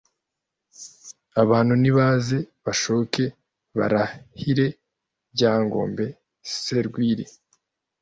abantu nibaze bashoke barahire ryangombe serwili